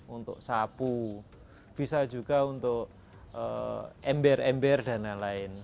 untuk sapu bisa juga untuk ember ember dan lain lain